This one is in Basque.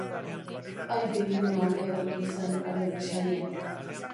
Aire iluna areagotu zen haren bisaian.